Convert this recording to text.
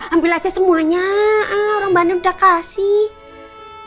ambil aja semuanya orang bandung udah kasih